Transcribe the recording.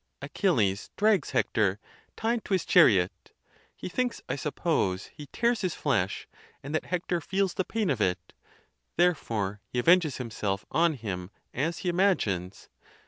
Achilles drags Hector, tied to his chariot; he thinks, I suppose, he tears his flesh, and that Hector feels the pain of it; therefore, he avenges himself on him, as he imagines.